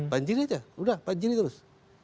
banjir aja udah banjiri terus